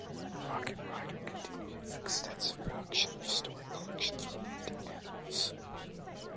The Moroccan writer continued his extensive production of story collections related to animals.